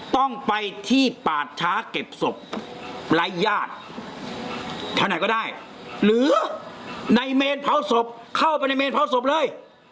ต้องไปที่ปาดช้าเก็บศพไร้ญาติแถวไหนก็ได้หรือในเมนเผาศพเข้าไปในเมนเผาศพเลย